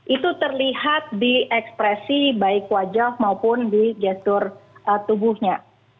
itu terlihat di ekspresi baik wajah maupun di gestur tubuhnya